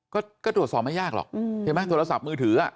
ก็ตรวจสอบไม่ยากหรอกใช่ไหมโทรศัพท์มือถือ